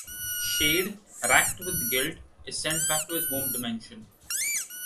Shade, wracked with guilt, is sent back to his home dimension.